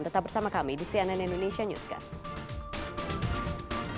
tetap bersama kami di cnn indonesia newscast